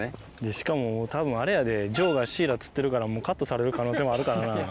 しかも、たぶんあれやで、丈がシイラ釣ってるから、カットされる可能性もあるからな。